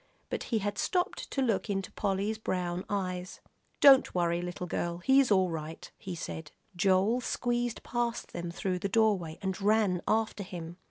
But he had stopped to look into Polly's brown eyes. "Don't worry, little girl, he's all right," he said. Joel squeezed past them through the doorway, and ran after him.